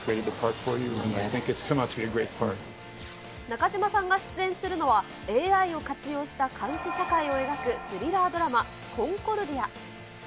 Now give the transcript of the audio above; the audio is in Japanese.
中島さんが出演するのは、ＡＩを活用した監視社会を描くスリラードラマ、コンコルディア。